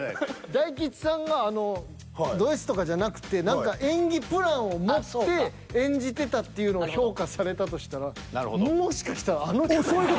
大吉さんがドＳとかじゃなくて何か演技プランを持って演じてたっていうのを評価されたとしたらそういう事。